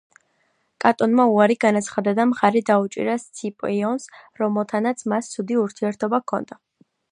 კატონმა უარი განაცხადა და მხარი დაუჭირა სციპიონს, რომელთანაც მას ცუდი ურთიერთობა ჰქონდა.